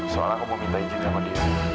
soalnya aku mau minta izin sama dia